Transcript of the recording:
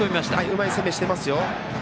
うまい攻めしてますよ。